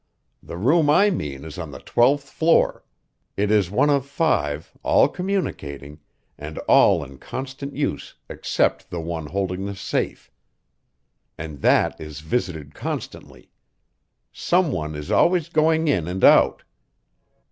The room I mean is on the twelfth floor; it is one of five, all communicating, and all in constant use except the one holding the safe. And that is visited constantly. Some one is always going in and out.